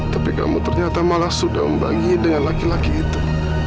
tapi kamu ternyata malah sudah membagi dengan laki laki itu